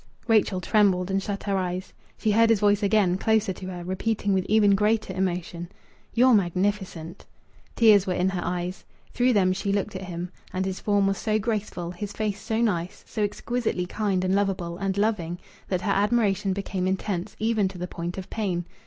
Rachel trembled, and shut her eyes. She heard his voice again, closer to her, repeating with even greater emotion: "You're magnificent." Tears were in her eyes. Through them she looked at him. And his form was so graceful, his face so nice, so exquisitely kind and lovable and loving, that her admiration became intense, even to the point of pain.